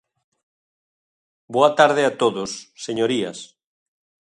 Boa tarde a todos, señorías.